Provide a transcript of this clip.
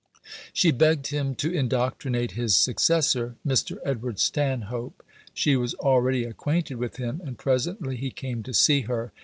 She begged him to indoctrinate his successor, Mr. Edward Stanhope. She was already acquainted with him, and presently he came to see her.